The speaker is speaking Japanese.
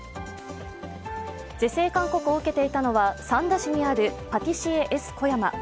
是正勧告を受けていたのは三田市にあるパティシエエスコヤマ。